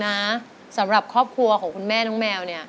๑๖๐๐๐บาทสำหรับครอบครัวของคุณแม่น้องแมว